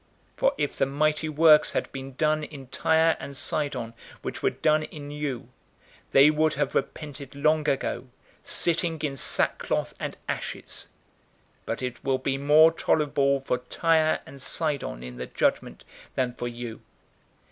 For if the mighty works had been done in Tyre and Sidon which were done in you, they would have repented long ago, sitting in sackcloth and ashes. 010:014 But it will be more tolerable for Tyre and Sidon in the judgment than for you.